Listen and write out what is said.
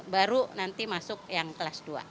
baru nanti masuk yang kelas dua